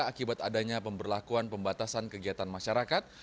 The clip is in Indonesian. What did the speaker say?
akibat adanya pemberlakuan pembatasan kegiatan masyarakat